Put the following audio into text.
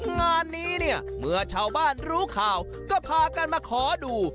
งานนี้เนี่ยเมื่อชาวบ้านรู้ข่าวก็พากันมาขอดู